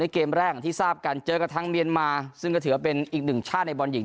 เกมแรกอย่างที่ทราบกันเจอกับทางเมียนมาซึ่งก็ถือว่าเป็นอีกหนึ่งชาติในบอลหญิง